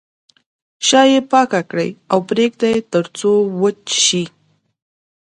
شا یې پاکه کړئ او پرېږدئ تر څو وچ شي.